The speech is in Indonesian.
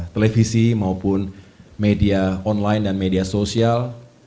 televisi maupun media online dan media sosial